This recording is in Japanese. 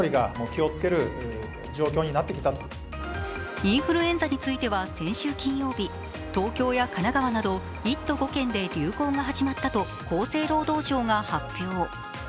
インフルエンザについては先週金曜日、東京や神奈川など、１都５県で流行が始まったと厚生労働省が発表。